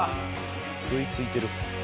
吸い付いてる」